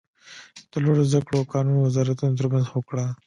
د لوړو ذده کړو او کانونو وزارتونو تر مینځ هوکړه